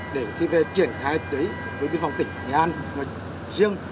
để khi về triển khai tới với biên phòng tỉnh nhà an ngoài riêng